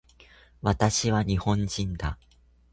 私は日本人だ